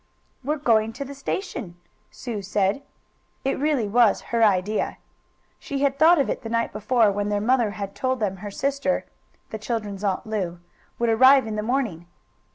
"We're going to the station," Sue said. It really was her idea. She had thought of it the night before, when their mother had told them her sister (the children's Aunt Lu) would arrive in the morning.